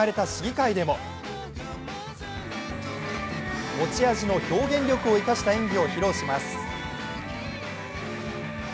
昨日行われた試技会でも持ち味の表現力を生かした演技を披露します。